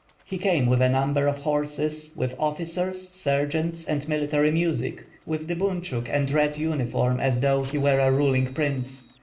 He came with a number of horses, with officers, sergeants and military music, with the bunchuk and red uniform as though he were a ruling prince.